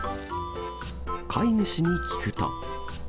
飼い主に聞くと。